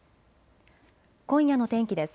今夜の天気です。